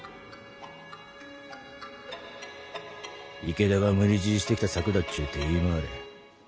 池田が無理強いしてきた策だっちゅて言い回れ。